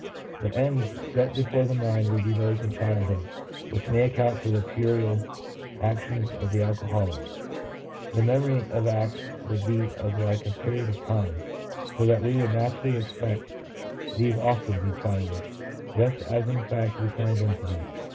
The ends set before the mind would be those of childhood, which may account for the puerile actions of the alcoholic; the memory of acts would be of a like period of time, so that we would naturally expect these also to be childish, just as in fact we find them to be.